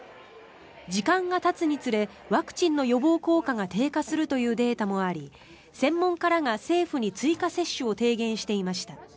時間がたつにつれワクチンの予防効果が低下するというデータもあり専門家らが政府に追加接種を提言していました。